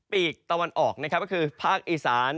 ปีกตะวันออกคือภาคอีสาน